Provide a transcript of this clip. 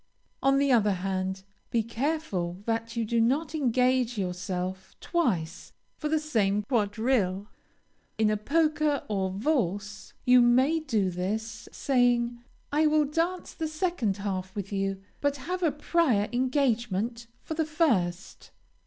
On the other hand, be careful that you do not engage yourself twice for the same quadrille. In a polka or valse, you may do this, saying, "I will dance the second half with you, but have a prior engagement for the first."